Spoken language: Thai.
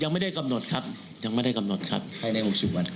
ยังไม่ได้กำหนดครับยังไม่ได้กำหนดครับใครในหกสิบวันแล้วคุณหมอจะอ่า